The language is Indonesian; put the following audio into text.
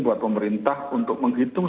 buat pemerintah untuk menghitung